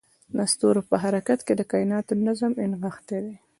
د ستورو په حرکت کې د کایناتو نظم نغښتی دی.